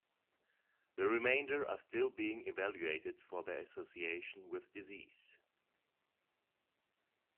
The remainder are still being evaluated for their association with disease.